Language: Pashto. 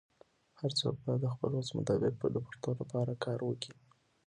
هرڅوک باید د خپل وس مطابق د پښتو لپاره کار وکړي.